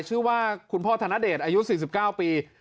ชื่อว่าคุณพ่อธนเดชอายุ๔๙ปี